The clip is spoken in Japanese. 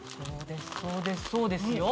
そうですそうです。